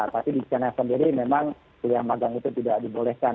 tapi di china sendiri memang kuliah magang itu tidak dibolehkan